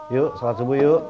yuk salat subuh yuk